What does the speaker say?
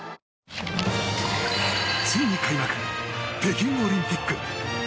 ついに開幕北京オリンピック。